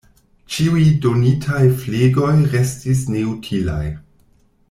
Ĉiuj donitaj flegoj restis neutilaj.